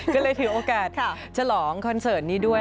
ก็เลยถือโอกาสฉลองคอนเสิร์ตนี้ด้วย